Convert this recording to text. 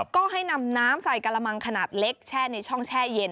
ก็ให้นำน้ำใส่กระมังขนาดเล็กแช่ในช่องแช่เย็น